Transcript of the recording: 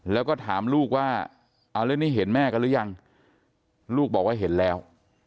แล้วก็ถามลูกว่าเอาเรื่องนี้เห็นแม่กันหรือยังลูกบอกว่าเห็นแล้ว